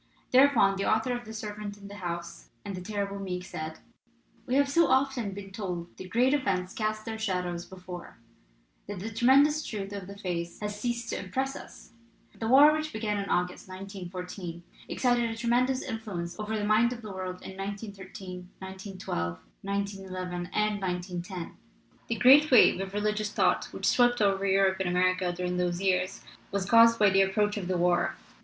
Thereupon the author of The Servant in the House and The Terrible Meek said : "We have so often been told that great events cast their shadows before, that the tremendous truth of the phrase has ceased to impress us. The war which began in August, 1914, exercised a tremendous influence over the mind of the world in 1913, 1912, 1911, and 1910. The great wave of religious thought which swept over Europe and America during those years was caused by the approach of the war.